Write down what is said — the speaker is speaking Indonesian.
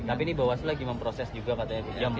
tapi ini bawaslu lagi memproses juga katanya jam empat hari